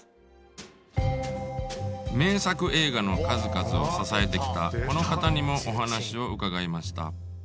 名作映画の数々を支えてきたこの方にもお話を伺いました。